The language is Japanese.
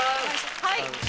はい！